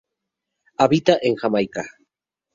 Habita en Jamaica.